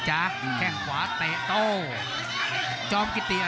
โหโหโหโหโหโหโหโห